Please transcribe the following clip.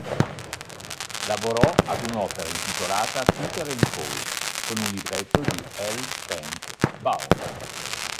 Lavorò ad un'opera intitolata "Peter and Paul", con un libretto di L. Frank Baum.